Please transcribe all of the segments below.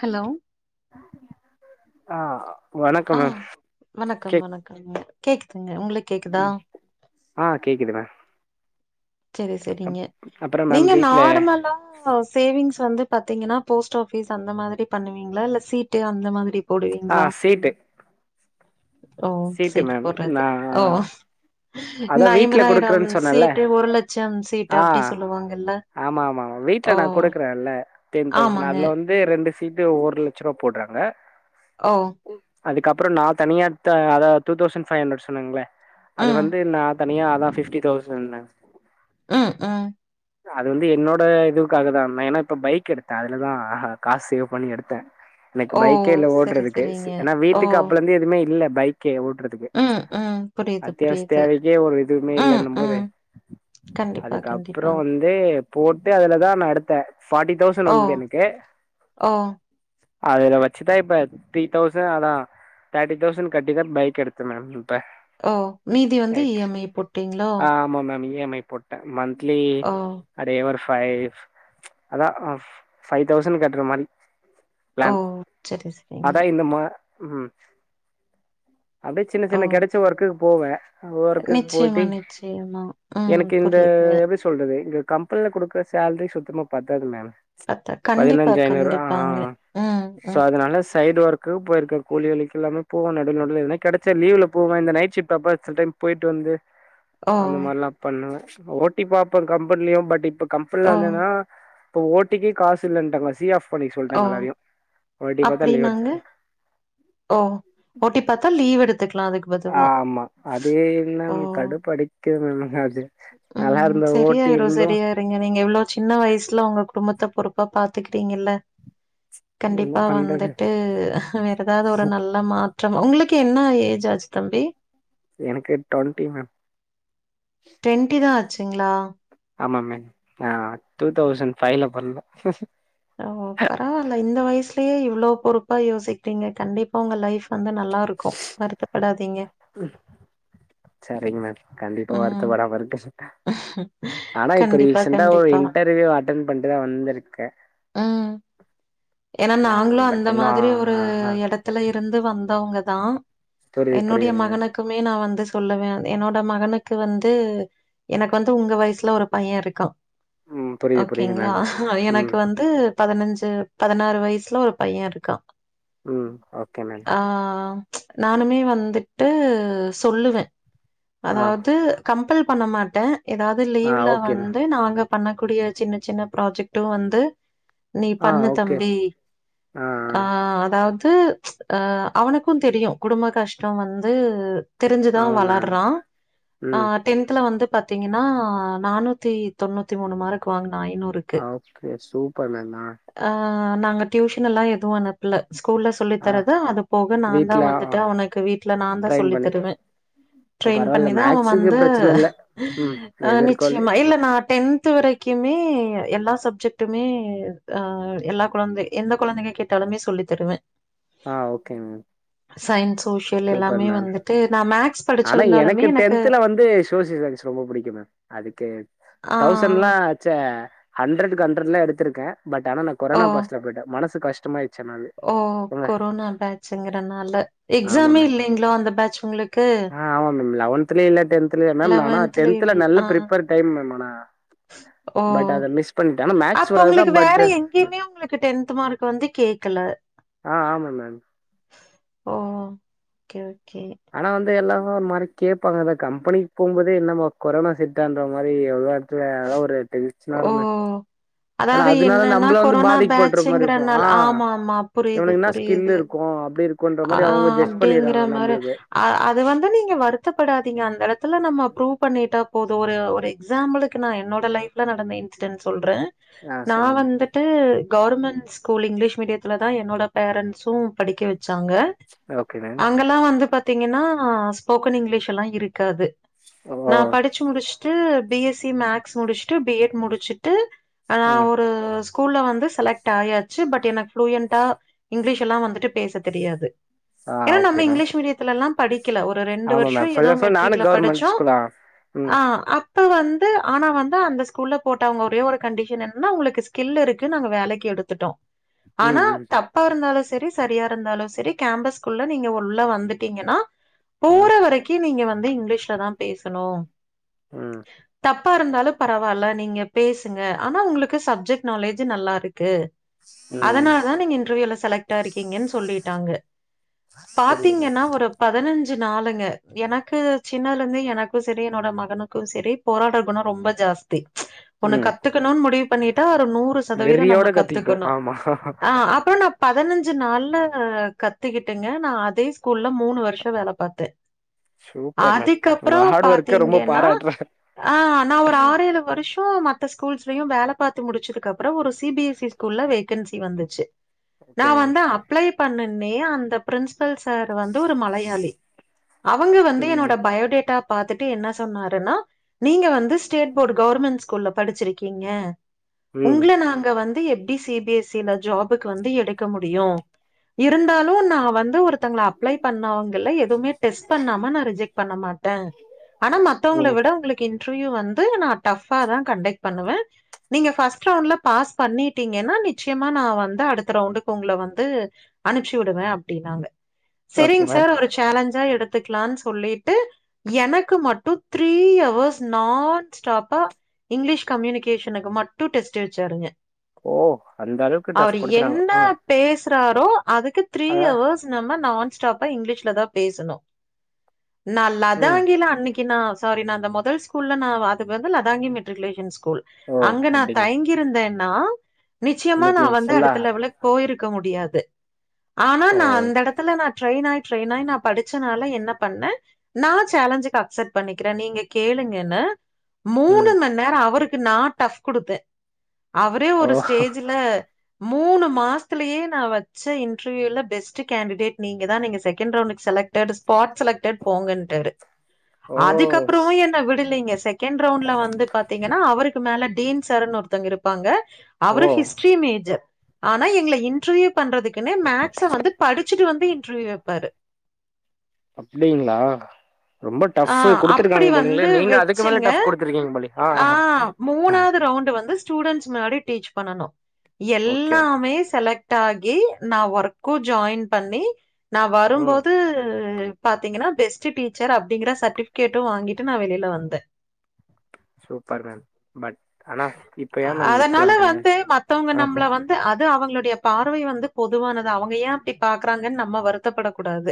Hello ஆ வணக்கம் ஆ மேம் வணக்கம் கேக் வணக்கம்ங் கேக்குதுங்க உங்களுக்கு கேக்குதா ம் ஆ கேக்குதுங்க செரி செரிங்க அப்புறம் மேம் நீங்க வீட்ல நார்மலா சேவிங்ஸ் வந்து பாத்தீங்கன்னா போஸ்ட் ஆபீஸ் அந்த மாதிரி பண்ணுவீங்களா இல்ல சீட்டு அந்த மாதிரி ஆ போடுவீங்களா சீட்டு ஓ சீட்டு மேம் நா போடுறது ஓ அதா இந்த வீட்ல ஐம்பதாயிரம் குடுக்குறேன்னு சொன்னேன்ல சீட்டு ஒரு லட்சம் சீட்டு ஆ அப்டி சொல்லுவாங்கல்ல ஆமா ஆமா ஆ வீட்ல ஓ நா குடுக்குறேன்ல்ல டென் தௌசண்ட் ஆமாங்க அதுல வந்து ந்து ரெண்டு சீட்டு ஒவ்வொரு லட்ச ரூபா போட்றாங்க ஓ அதுக்கப்றோ நா தனியா அத டூ தௌசண்ட் பைவ் ஹண்ட்ரட் சொன்னுங்களே அது ம் வந்து நா தனியா அதா ஃபிப்டி தௌசண்ட் மேம் ம் ம் ச அது வந்து என்னோட இதுவுக்காக தா ஏன்னா இப்ப பைக் எடுத்தே அதுலதா காசு சேவ் பண்ணி எடுத்தே எனக்கு ஓ பைக்கே இல்ல செரி ஓட்றதுக்கு செரிங்க ஏன்னா ஓ வீட்டுக்கு அப்பல இருந்து எதுமே இல்ல பைக்கே ஓட்றதுக்கு ம் ம் புரியுது அத்தியாவ புரியுது தேவைக்கே ஒரு எதுவுமே ம் இல்லன்னும் போது ம் கண்டிப்பா அதுக்கப்புறோ கண்டிப்பா வந்து போட்டு அதுலதா நா எடுத்தே ஃபார்ட்டி தௌசண்ட் ஓ வந்தது எனக்கு ஓ! அதுல வெச்சுதா இப்ப த்ரீ தௌசண்ட் அதா தேர்ட்டி தௌசண்ட் கட்டிதா பைக் எடுத்தே மேம் இப்ப ஓ! மீதி வந்து இஎம்ஐ போட்டீங்களோ? ஆ ஆமா மேம் இ எம் ஐ போட் டே மந்த்த்லி ஓ! அது ஒரு ஃபைவ் அதா ஃபைவ் தௌசண்ட் கட்டுற மாரி ஓ! பிளான் சரி, சரிங்க. அதா இந்த ம ம் அப்டியே சின்ன ஓ! சின்ன கெடச்ச ஒர்க்குக்கு போவே ஒர்க்குக்கு நிச்சயமா, போய்ட்டு நிச்சயமா. ம். எனக்கு இந்த புரியுதுங்க. எப்டி சொ சொல்றது இங்க கம்பெனில குடுக்கர்ற சேலரி சுத்தமா பத்தாது மேம் அத்த கண்டிப்பா, பதினஞ்சு ஐநூறு ஆ கண்டிப்பாங்க. ம், சோ ம். அதனால சைடு ஒர்க் கு போயிருக்க கூலி வேலைக்கெல்லாமே போவே நடுவுல நடுவுல எதனா கெடச்சா லீவ்ல போவே இந்த நைட் ஷிப்ட் சில டைம் போயிட்டு வந்து ஓ! அந்த மாரில்லா பண்ணுவ ஓ டி பாப்ப கம்பெனிலயு பட் இப்ப கம்பெனில ஓ! வந்து என்னனா இப்ப ஓ டி க்கு காசு இல்லன்ட்டாங்க சி ஆப் பண்ணிக்க ஓ! சொல்லிட்டாங்க எல்லாரையு ஓ டி பாத்தா லீவு எடுத் அப்படின்னாங்க? ஓ ஓ டி பாத்தா லீவ் எடுத்துக்கலா அதுக் ஆமா அது என்ன கடு படிக்குது மேம் அது நல்லா இருந்த ஓ டி இருந்து நீங்க நீங்க இவ்ளோ சின்ன வயசுல உங்க குடும்பத்த பொறுப்பா பாத்துக்கிறீங்கல்ல என்ன கண்டிப்பா பண்றது? வந்துட்டு வேற எதாவது ஒரு நல் ல மாற்றம் உங்களுக்கு என்ன ஏஜ் ஆச்சு தம்பி எனக்கு டுவெண்ட்டி மேம் டுவெண்ட்டி தா ஆச்சுங்களா ஆமா மே ஆ டூ தௌசண்ட் ஃபைவ்ல பொறந்தே ஓ பரவாயில்ல இந்த வயசுலேயே இவ்ளோ பொறுப்பா யோசிக்கிறீங்க கண்டிப்பா உங்க லைஃப் வந்து நல்லா இருக்கூ வருத்தப்படாதீங்க செரிங் மேம் கண்டிப்பா ம். வருத்தப்படாம இருக்கே ஆனா இப்ப கண்டிப்பா, ரீசென்டா ஒரு கண்டிப்பா. இன்டர்வியூ அட்டன் பண்ட்டுதா வந்திருக்கே ம். ஏன்னா நாங்களூ பட் அந்த இன்னும் மாறி ஒரு ஆஹா. எடத் த்துல இருந்து வந்தவங்க தா புரியுது, என்னுடைய புரியுது மேம். மகனுக் குமே நா வந்து சொல்லுவே என்னோட மகனுக்கு வந்து எனக்கு வந்து உங்க வயஸ் சுல ஒரு பையே இருக்கா ம். புரியுது, புரியுது ஓகேங்களா மேம். ம், எனக்கு வந்து பதினெஞ்சு பதினாறு வயசுல ஒரு பையே இருக்கா ம். Okay ma'am. ஆ நானுமே வந்துட்டு சொல்லுவே ஆ, அதாவது கம்பல் பண்ண மாட்டே ஏதாவது ஆ லீவ்ல ஓகே மேம். வந்து நாங்க பண்ணக்கூடிய சின்ன சின்ன ப்ராஜெக்ட்டூ வந்து நீ ஆ பண்ணு ஓகே. தம்பி ஆ, ஆ. அ அதாவத் த து அவனுக்கூ தெரியூ குடும்ப கஷ்டம் வந்து தெரிஞ்சு தா ஆமா மேம். வளர்றான் ஆ ம். டென்த்தல வந்து பாத்தீங்கன்னா நானூத்தி தொண்ணூத்தி மூணு மார்க் வாங்னா ஐநூறுக்கு க்ரே சூப்பர் மேம் நா ஆ நாங்க டியூஷன்ல்லா எதுவூ அனுப்புல ஸ்கூல்ல ஆ சொல்லிதரத்தா அது போக நா தா வீட்ல வந்துட்டு அவனுக்கு வீட்ல நா தா ட்ரைன் சொல்லி பண்ணி தருவே இப்ப ட்ரெயின் பரவால்ல பண்ணிதா அவெ மேக்ஸுக்கு வந்து பிரச்சன இல்ல ம் எது இருக்கோ நிச்சயமா இல்ல நா டென்த் து வரைக்குமே எல்லா சப்ஜெக்டுமே அ எல்லா குழந்தை எந்த குழந்தைங்க கேட்டாலுமே சொல்லி தருவே ஆ okay ma'am science social super எல்லாமே மேம் வந்துட்டு நா மேக்ஸ் படிச்சிருந்தாலுமே எனக்கு சோஷியல் சயின்ஸ் ரொம்ப புடிக்ககூ மேம் அதுக்கு ஆ தௌசன்லா ச்செ ஹண்ரட்க்கு ஹண்ரட்லா எடுத்திருக்கே பட் ஆனா நா ஓ கொரோனா பாஸ்ல போயிட்டே மனசு கஷ்டமாயிச் ஓ கொரோனா பேட்சங்கறனால ஆமா எக்ஸாமே மேம் இல்லிங்களோ அந்த பேட்ச் உங்களுக்கு ஆ ஆமா மேம் லெவன்த்லயூ இல்ல டென்த்தல ‌இல்ல மேம் ஆனா லெவன்த்ல டென்த்ல இல் நல்ல ஆ பிரிப்பேர் டைம் மேம் ஆனா ஓ பட் அத மிஸ் பண்ட்டே ஆனா மேக்ஸ் வராதுதா பட் எங்கயூமே உங்களுக்கு டென்த் மார்க் வந்து கேக்கல ஆ ஆம்ம மேம் ஓ ஓகே ஓகே ஆனா வந்து எல்லாரூ ஒரு மாறி கேட்பாங்க தா கம்பெனிக்கு போவ்ம் போதே என்னம்மா கொரோனா செட்டான்ற மாரி ஒரு வார்த் இது அதலா ஒரு டென்சனா இருக்கு மே ஓ ஏனா அதாவது அதனால என்னன்னா நம்மள வந்து கொரோனா பாதிக்கப்பட்று மாரி இருக்கோ பேட்சுங்கிறனால ஆ ஆமா ஆமா புரியுது இவனுக்கு ன்னா ஸ்கில் புரியுது. இருக்கூ அப்டி இருக் கோன்ற ஆ மாரி அவங்க ஜெஸ் அப்டிங்கிற பண்ணிறாங்க மாரி நம்ளுக்கு அ அது வந்து நீங்க வருத்தபடாதீங்க அந்த எடத்துல நம்ம புரூஃப் பண்ணிட்டா பேதும் ஒரு ஒரு எக்ஸாம்பிலுக்கு நா என்னோட லைஃப்ல நடந்த இன்சிடென்ட சொல்றே ஆ நா சொல்லுங்க வந்துட் டு கவர்மெண்ட் ஸ்கூல்ல இங்கிலீஷ் மீடியத்துல்ல தா என்னோட பேரண்ட்ஸும் படிக்க வெச்சாங்க ஓகே மேம் அங்கெல்லா வந்து பாத்தீங்கன்னா ஸ்போக்கன் இங்கிலீஷ் எல்லா இருக்காது ஓ நா படித் படிச்சு முடிச்சுட்டு பி எஸ் சி மேக்ஸ் முடிச்சுட்டு பி எட் முடிச்சுட்டு நான் ம் ஒரு ஸ்கூல்ல வந்து செலக்ட் ஆயாச்சி பட் எனக்கு ப்ளூயண்டா இங்கிலீஷ் எல்லா வந்துட்டு பேச தெரியாது ஆ ஓகே மேம் துல்லா படிக்கல ஒரு ரெண்டு ஆமா வருஷோ மேம் ஏதோ சொல்ல சொல்ல நானு மெட்ரிக்ல கவர்மெண்ட் படிச்சோ ஸ்கூல் தா ம் ஆ அப் இப்ப வந்து ஆனா வந்து அந்த ஸ்கூல்ல போட்ட அவுங்க ஒரே ஒரு கண்டிஷன் என்னன்னா உங்களுக்கு ஸ்கில் இருக்கு நாங்க வேலைக்கு எடுத்துட்டோ ம் ஆனா ம் தப் ப்பா இருந்தாலு சரி சரியா இருந்தாலு சரி கேம்பஸ்க்குள்ள நீங்க உள்ள வந்துட்டீங்கன்னா ம் போற வரைக்கு நீங்க வந்து இங்கிலீஷ்லயே தா பேசணு ம் தப்பா இருந்தாலு பர பரவால்ல நீங்க பேசுங்க ஆனா உங்களுக்கு சப்ஜெக்ட் நாலேஜ் நல்லா இருக்கு ம் அதனால தா நீங்க இன்டர்வியூல செலக்ட்டாயிருக்கீங்கன்னு சொல்லிட்டாங்க புரியுது பாத்தீங்கன்னா ஒரு பதினஞ்சி நாளுங்க எனக்கு சின்னதுலேந்து எனக்கு செரி என்னோட மகனுக்கு செரி போராட்ட குணோ ரொம்ப ஜாஸ் தி ஒன்னு மேம் ம் கத்துக்கணும்னு முடிவு பண்ணிட்டா அத நூறு சதவீதோ நம்ம வெறியோட கத்துக்கிட்டோ கத்துக்கணு ஆமா ஆ அப்போ நா பதினஞ்சி நாள்ல கத்துக்கிட்டுங்க நா அதே ஸ்கூல்ல மூணு வருஷோ வேல பாத்தே சூப்பர் மேம் உங்க அதுக்கப்புறோ ஹார்ட் ஒர்க்க ரொம்ப பாத்தீங்கன்னா பாராட்றே ஆ நா ஒரு ஆறேழு வருஷோ மத்த ஸ்கூல்ஸ்லயு வேல பாத்து முடிச்சதுக்கு அப்றோ ஒரு சி பி எஸ் இ ஸ்கூல்ல வேகன்சி வந்துச்சி நா ஓகே மேம் வந்து அப்ளை பண்ணனே அந்த பிரின்சிபல் சார் வந்து ஒரு மலையாளி அவுங்க வந்து ம் என்னோட பயோடேட்டா பாத்துட்டு என்ன சொன்னாருன்னா நீங்க வந்து ஸ்டேட் போர்டு கவர்மெண்ட் ஸ்கூல்ல படிச்சிருக்கீங்க ம் உங்கள நாங்க வந்து எப்டி சி பி எஸ் சி ல ஜாபுக்கு வந்து எடுக்க முடியு இருந்தாலு நா வந்து ஒருத்தவங்கள அப்ளை பண்ணவங்கல எதுவுமே டெஸ்ட் பண்ணாம நா ரிஜெக்ட் பண்ண மாட்ட ஆனா மத்தவங்கள ம் விட உங்களுக்கு இன்டர்வியூ வந்து நா டஃபா தா கண்டக்ட் பண்ணுவே நீங்க ஃபர்ஸ்ட் ரவுண்ட்ல பாஸ் பண்ணிட்டீங்கன்னா நிச்சயமா நா வந்து அடுத்த ரவுண்டுக்கு உங்கள வந்து அனுப்சி விடுவே அப்டின்னாங்க ஓகே சரிங் மேம் சார் ஒரு சேலஞ்சா எடுத்துக்கலாம்னு சொல்லிட்டு எனக்கு மட்டு த்ரீ அவர்ஸ் நான் ஸ்டாப் பா இங்கிலீஷ் கம்யூனிகேஷனுக்கு மட்டு டெஸ்ட் வெச்சாருங்க ஓ அந்தளவுக்கு டஃப் குடுத்துட்டாங்க என்ன போங்க பேசுறாரோ அதுக்கு த்ரீ அதா அவர்ஸ் நம்ம நான்ஸ்டாப்பா இங்கிலீஷ்ல தா பேசுணு நால்லாதா ம் ஆங்கில அன்னைக்கி நா சாரி நான் அந்த மொதல் ஸ்கூல்ல நான் வந்து அது வந்து லதாங்கி மெட்ரிக்குலேசன் ஸ்கூல் ஓ அங்க நான் அப்டிங்க தயங்கி கிருந்தேன்னா நிச்சயமா இன்னைக்கு நான் வந்து ஃபுல்லா அடுத்த லெவலுக்கு போயிருக்க முடியாது ஆனா ஓ நான் அந்த எடத்துல நான் ட்ரெயின் ஆயி ட்ரெயின் ஆயி நா படிச்சனால என்ன பண்ணே நா சேலஞ்சிக்கு அக்செப்ட் பண்ணிக்கிறே நீங்க கேளுங்க என்ன மூணு ம் மண்னேரோ அவருக்கு நா டஃப் குடுத்தே அவரே ஓ ஒரு ஸ்டேஜ்ல மூணு மாசத்துலயே நா வச்ச இன்டர்வியூல பெஸ்ட் கேண்டிடேட் நீங்க தா நீங்க செகண்ட் ரவுண்டுக்கு செலக்ட் டட் ஸ்பாட் செலக்டட் போங்கன்டாரு ஓ அதுக்கப்புறமு ஸ்- என்ன விடலீங்க செகண்ட் ரவுண்ட்ல வந்து பாத்தீங்கன்னா அவருக்கு மேல டீன் சார்னு ஒருத்தங்க இருப்பாங்க ஓ அவர் ஹிஸ்ட்ரி மேஜர் ஆனா எங்களை இன்டர்வியூ பண்றதுக்குன்னே மேக்ஸ் அ வந்து படிச்சுட்டு வந்து இன்டர்வியூ வெப்பாரு அப்டிங்ளா அ அப்புடி வந்து நீங்க அதுக்கு மேல வெச்சிங்க டஃப் குடுத்துருக்கீங்க போலயே ஆ ஆ மூணாவது ரவுண்ட் வந்து ஸ்டூடெண்ட்ஸ் முன்னாடி டீச் பண்ணனு ஓகே ஓகே எல்லாமே செலக்ட் டாகி நா ஒர்க்கு ஜாயின் பண்ணி நா ம் வரும்போது பாத்தீங்கன்னா பெஸ்ட்டு டீச்சர் அப்டிங்குற சர்டிபிகேட்டு வாங்கிட்டு நா வெளியில வந்தே சூப்பர் மேம் பட் ஆனா இப்ப ஏன் மேம் விட்டு அதனால வந்ட்டீங்க வந்து மத்தவங்க நம்மள வந் து அது அவங்களுடைய பார்வை வந்து பொதுவானது அவுங்க ஏ அப்டி பாக்குறாங்கன்னு நம்ம வருத்தப்படக் கூடாது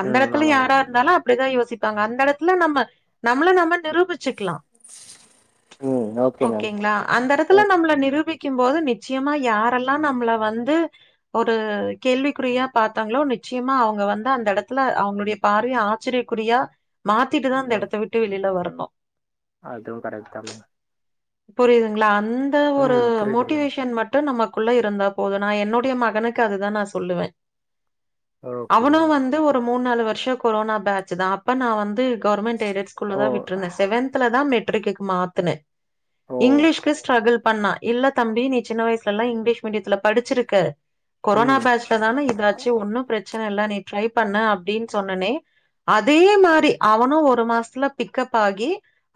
அந்த ம் எடத்துல ஆமாங்க யாரா இருந்தாலு அப்டிதா யோசிப்பாங்க அந்த இடத்துல நம்ம நம்மள நம்ம நிரூபிச் சிக்கலா ம் ஓகே மேம் ஓகேங்களா அந்த இடத் துல ஓகே நம்மள நிரூபிக்கு போது நிச்சயமா யாரெல்லா நம்மள வந்து ஒரு கேள்விக்குறியா பாத்தாங்களோ நிச்சயமா அவுங்க வந்து அந்த இடத்துல அவங்களுடைய பாரே ஆச்சரியக்குரியா மாத்திட்டுதா அந்த இடத்த விட்டு வெளியில வரணு அதுவு கரெக்ட் தாங்க புரியுதுங்களா அந்த ஒரு ம் புரியுது மேம் மோட்டிவேஷன் மட் டு நமக்குள்ள இருந்தா போது நா என்னுடைய மகனுக்கு அதுதா நா சொல்லுவே ஓகே அவனு மேம் வந்து ஒரு மூணு நாலு வருஷோ கொரோனா பேஞ்சுதா அப்ப நா வந்து கவர்மெண்ட் எய்டட் ஸ்கூல்ளல ஓ தா விட்டுருந்தே செவன்தல தா மெட்ரிக்கு மாத்துனே ஓ இங்கிலீஷ்க்கு ஸ்ரகுள் பண்ணா இல்ல தம்பி நீ சின்ன வயசுல எல்லா இங்கிலீஷ் மீடியத்துல படிச்சிருக்க கொரோனா ம் பேஞ்சுல தானே இததாச்சு ஒன்னு பிரச்சன இல்ல நீ ட்ரை பண்ணு அப்டின்னு சொன்னனே அதே மாரி அவனு ஒரு மாசத்துல பிக்கப் ஆகி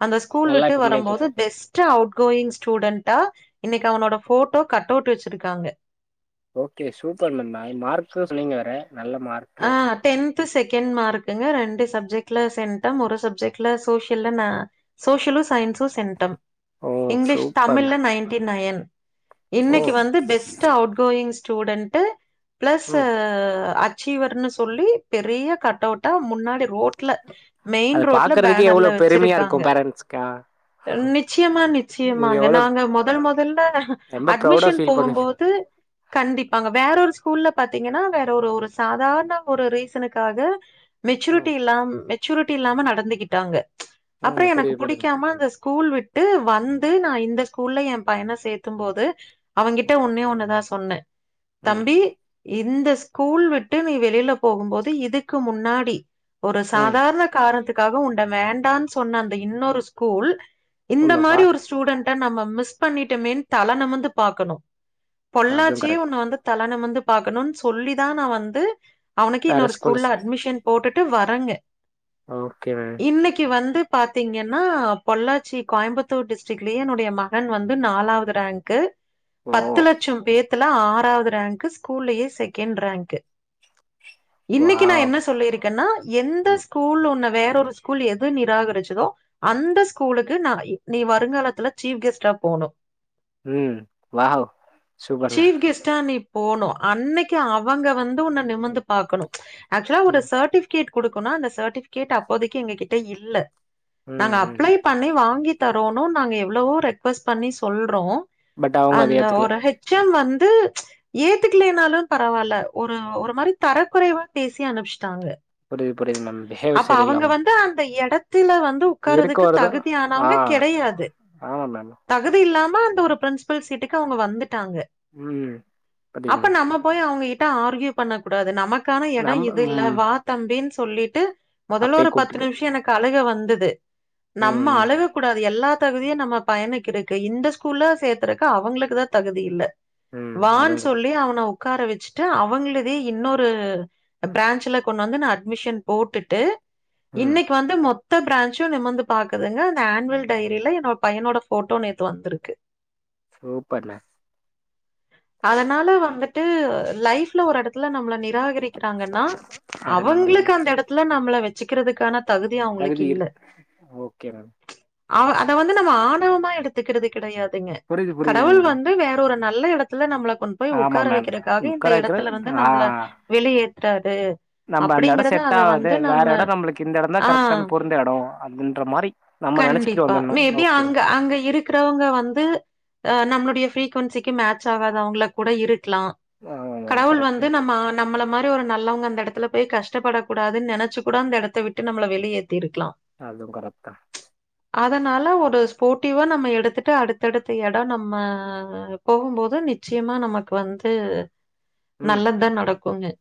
அந்த ஸ்கூல் நல்லா விட்டு இப்ப வரும்போது பண்ணிட்ருக்கோ பெஸ் அவுட் கோயிங் ஸ்டூடண்டா இன்னைக்கு அவனோட போட்டோ கட் அவுட் வச்சிருக்காங்க ஓகே சூப்பர் மேம் நா மார்கு சொன்னிங்க வேற நல்ல மார்க் ஆ டென்த் செகண்ட் மார்குங்க ரெண்டு சப்ஜெக்ட்ல சென்டம் ஒரு சப்ஜெக்ட்ல சோசியல்ல நா சோசியலு சயின்ஸு சென்டம் ஓ இங்கிலீஷ் சூப்பர்ண்ண தமிழ்ல நைன்டி நையன் ஓ இன்னைக்கு வந்து best outgoing student plus ம் அசீவர்ன்னு சொல்லி பெரிய கட்டவுட்டா முன்னாடி ரோட்ல மெயின் அது ரோட்ல பாக்குறதுக்கே பேனர்ர்ல எவ்ளோ பெருமையா வச்சிருக்காங்க இருக்கு பேரண்ட்ஸ்க்கா நிச்சயமா நீங்க நிச்சயமாங்க எவ்ளோ நாங்க முதல் முதல்ல ரொம்ப ப்ரௌடா அட்மிஷன் ஃபீல் பண்ணுவீங்க போகுபோது கண்டிப்பாங்க வேற ஒரு ஸ்கூல்ல பாத்தீங்கன்னா வேற ஒரு சாதாரண ஒரு ரீசனுக்காக மெச்சூரிட்டி ம் இல்லா மெ ச்சூரிட்டி இல்லாம நடந்துகிட்டாங்க அப்றோ ம் எனக்கு புரியுது புரியுது பிடிக்காம அத ஸ்கூல் விட்டு வந்து நா இந்த ஸ்கூல்ல எ பையன சேர்த்தும்போது அவங்கிட்ட ஒன்னே ஒன்னுதா சொன்னே ம் தம்பி இந்த ஸ்கூல் விட் டு நீ வெளியில போகும்போது இதுக்கு முன்னாடி ஒரு ம் சாதாரண காரணத்துக்காக உண்ட வேண்டான்னு சொன்ன அந்த இன்னொரு ஸ்கூல் இந்த உண்மப்பா மாரி ஒரு ஸ்கூ ஸ்டூடண்ட நம்ம மிஸ் பண்ணிட்டமேனு தல நிமிந்து பாக்கணு அதுவு பொள்ளாச்சியே உன்ன கரெக்ட் வந்து தல நிமுந்து பாக்கனுனு சொல்லி தா நா வந்து அவனுக்கு வேற இன்னொரு ஸ்கூல்ஸ் ஸ்கூல்ல அட்மிஷன் போட்டுட்டு வரங்க ஓகே மேம். இன்னைக்கு வந்து பாத்தீங்கன்னா பொள்ளாச்சி கோயம்புத்தூர் டிஸ்டிக்குலேயே என்னுடைய மகன் வந்து நாலாவது ரேங்கு ஓ பத்து லட்சம் பேத்துல ஆறாவது ரேங்க்கு ஸ்கூல்லயே செகண்ட் ரேங்க்கு இன்னைக்கு நா வாவ் என்ன சொல்லியிருக்கேன்னா எந்த ஸ்கூல் ஒன்ன வேற ஒரு ஸ்கூல் எது நிராகரிச்சிதோ அந்த ஸ்கூலுக்கு நா நீ வருங்காலத்துல சீஃப் கேஸ்டா போனு ம் வாவ் சூப்பர்ங்க சீஃப் கேஸ்டா நீ போனு அன்னைக்கு அவங்க வந்து உன்ன நிமிர்ந்து பாக்கணு ஆக்சுவலா ஒரு ம் சர்ட்டி கேட் கொடுக்கனா அந்த சர்டிபிகேட் அப்போதைக்கு எங்க கிட்ட இல்ல நாங்க ம் ம் அப்ளை பண்ணி வாங்கி தரோனு நாங்க எவ்ளவோ ரெக்வஸ்ட் பண்ணி சொல்றோ பட் அவங்க அத அந்த ஏத்துக்கல ஒரு ஹெச் சம் வந்து ஏத்துக்கலனாலு பரவாயில்ல ஒரு ஒரு மாரி தரக் குறைவா பேசி அனுப்ச்சிட்டாங்க புரியுது புரியுது மேம் பிஹேவியர் அப்ப சரியில்ல அவங்க வந்து அந்த எடத் த்தில வந்து ஒக்காரதுக்கு இருக்கவரதா ஆ தகுதியானவுங்க கிடையாது ஆமா மேம் தகுதி இல்லாம அந்த ஒரு பிரின்சபல் சீட்டுக்கு அவுங்க வந்துட்டாங்க ம் அப்ப பாத்தீங்களா நம்ம போய் அவுங்ககிட்ட ஆர்க்யூ பண்ண கூடாது நமக்கான எடம் நம்ம இது இல்ல ம் வா தம்பின்னு சொல்லிட்டு மொதல்ல அப்பயே ஒரு பத்து கூப்ட்டுட்டு நிமிஷம் எனக்கு அழுக வந்தது நம்ம ம் அழுக கூடாது எல்லா தகுதியு நம்ம பையனுக் இருக்கு இந்த ஸ்கூல்ல சேத்துறக்கு அவுங்களுக்கு தான் தகுதி இல்ல ம் வான்னு அதுவு சொல்லி அவன உக்கார வச்சுட்டு அவுங்களு வெ இன்னொரு பிராஞ்சுல கொண்டு வந்து நா அட்மிஷன் போட்டுட்டு ம் இன்னைக் வந்து மொத் த்த பிராஞ்சும் நிமிந்து பாக்குதுங்க அந்த அன்வல் டைரில என்னோட பையனோட போட்டோ நேத்து வந்துருக்கு சூப்பர்ல அதனால வந்துட்டு லைஃப்ல ஒரு எடத்துல நம்மள நிராகரி க்றாங்கனா அது நம்ம அவ்ங்ளுக்கு அந்த எடத்துல நம்ள வச்சுகிருதுக்கான தகுதி அவ்ங்ளுக்கு தகுதி இல்ல இருக்கு ஓகே மேம் ஆவ் அத வந்து நம்ம ஆணவமா எடுத்துக்கிறது கிடயாதுங்க புரியுது புரியுது கடவுள் மேம் வந்து வேற ஒரு நல்ல எடத் த்துல நம்மள கொண் போய் ஆமா உக்கார மேம் வைக்கிறதுக்காக இந்த முக்கராய்க்கிற இடத்துல வந்து நம்ள வெளியேத்றாரு நம்ப அந்த எடொ செட் ஆவுது வேற எடொ நம்ளுக்கு இந்த எடொ தா ஆ கரெக்டான பொருந்த எடொ அப்டின்ற மாரி நம்ம நெனச்சுக்கிட்டு கண்டிப்பா வந்துர்ணு மேபி ஓகே அங்க மேம் அங்க இருக் ருக்குறவங்க வந்து அ நம்மளுடைய ஃபிரிகுவன்சிகு மேச் ஆகாதவங்களா கூட இருக்லா ஆமா மேம் கடவுள் கரெக்ட் வந்து நம்ம நம்மள மாரி ஒரு நல்லவங்க அந்த எடத்துல போய் கஷ்டப்படக் கூடாதுன் நனச்சு கூட அந்த எடத்த விட்டு நம்மள வெளியேத்தி இருக்லா அதுவு கரெக்ட்தா அதனால ஒரு ஸ்போட்டிவா நம்ம எடுத்துட்டு அடுத்தடுத்த எடொ நம்ம போகுபோ து நிச்சயமா நமக்கு வந்து ம் நல்லதா நடக்குனு